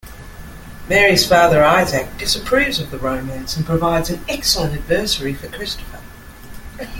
Mary's father Isaac disapproves of the romance and provides an excellent adversary for Christopher.